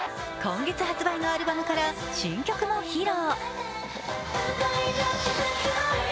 今月発売のアルバムから新曲も披露。